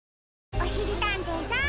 おしりたんていさん